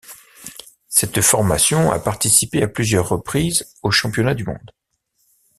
Cette formation a participé à plusieurs reprises aux championnats du monde.